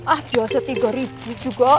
ah biasa rp tiga juga